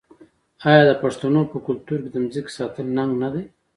آیا د پښتنو په کلتور کې د ځمکې ساتل ننګ نه دی؟